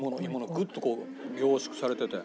グッとこう凝縮されてて。